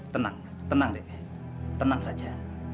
tenang tenang deh tenang saja